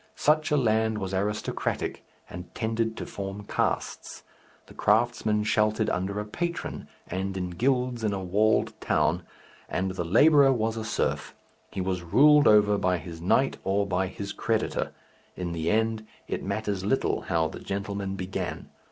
Such a land was aristocratic and tended to form castes. The craftsman sheltered under a patron, and in guilds in a walled town, and the labourer was a serf. He was ruled over by his knight or by his creditor in the end it matters little how the gentleman began.